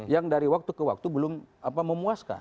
yang dari waktu ke waktu belum memuaskan